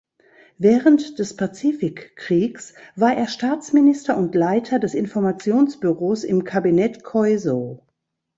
Während des Pazifikkriegs war er Staatsminister und Leiter des Informationsbüros im Kabinett Koiso.